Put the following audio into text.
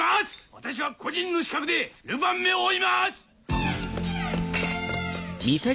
私は個人の資格でルパンめを追います！